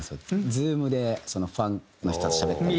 Ｚｏｏｍでファンの人たちとしゃべったりとか。